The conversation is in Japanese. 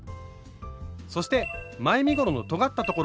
そして前身ごろのとがったところ。